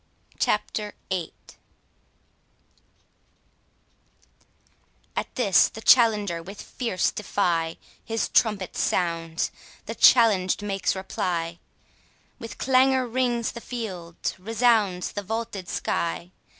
CHAPTER VIII At this the challenger with fierce defy His trumpet sounds; the challenged makes reply: With clangour rings the field, resounds the vaulted sky.